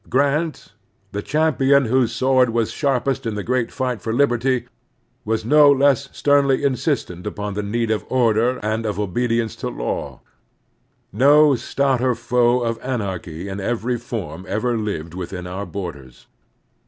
Grant, the champion whose sword was sharpest in the great fight for 14 2XO The Strenuous Life liberty, was no less sternly insistent upon the need of order and of obedience to law. No stouter foe of anarchy in every form ever lived within our borders.